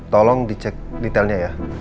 tolong dicek detailnya ya